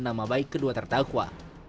nama baik kedua terdakwa